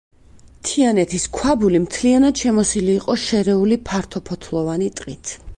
თიანეთის ქვაბული მთლიანად შემოსილი იყო შერეული ფართოფოთლოვანი ტყით.